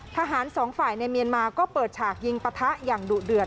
สองฝ่ายในเมียนมาก็เปิดฉากยิงปะทะอย่างดุเดือด